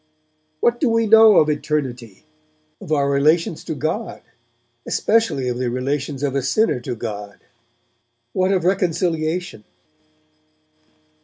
What do we know of Eternity? Of our relations to God? Especially of the relations of a sinner to God? What of reconciliation?